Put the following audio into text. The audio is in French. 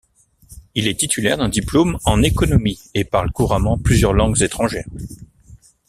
Il est titulaire d'un diplôme en économie, et parle couramment plusieurs langues étrangères.